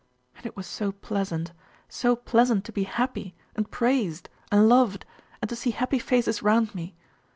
And it was so pleasant so pleasant to be happy, and praised, and loved, and to see happy faces round me.